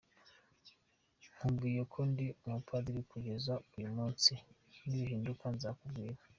Nkubwiye ko ndi umupadiri kugeza uyu munsi, nibihinduka nzakubwira”.